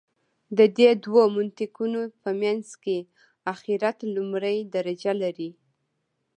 د دې دوو منطقونو په منځ کې آخرت لومړۍ درجه لري.